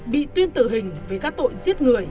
bị tuyên tử hình với các tội giết người